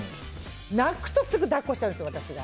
泣くと、すぐ抱っこしちゃうんですよ、私が。